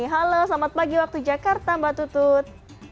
halo selamat pagi waktu jakarta mbak tutut